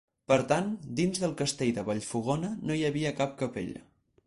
Per tant, dins del castell de Vallfogona no hi havia cap capella.